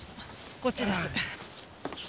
こっちです。